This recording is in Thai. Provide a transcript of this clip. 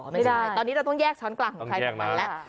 ไม่ได้ตอนนี้เราต้องแยกช้อนกลางของใครของมันแล้ว